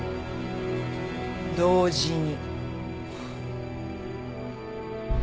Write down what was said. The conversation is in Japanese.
同時に。